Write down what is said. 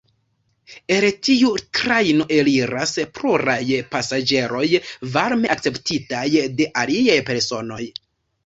El tiu trajno eliras pluraj pasaĝeroj, varme akceptitaj de aliaj personoj.